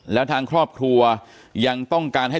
แล้วทางครอบครัวยังต้องการให้